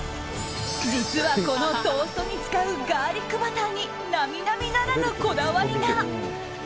実はこのトーストに使うガーリックバターに並々ならぬこだわりが。